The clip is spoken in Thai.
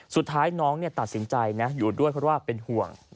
สุดท้ายน้องตัดสินใจอยู่ด้วยเพราะว่าเป็นห่วง